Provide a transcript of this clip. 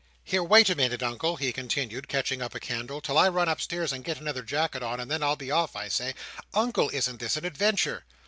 "Here, wait a minute, Uncle," he continued, catching up a candle, "till I run upstairs, and get another jacket on, and then I'll be off. I say, Uncle, isn't this an adventure?"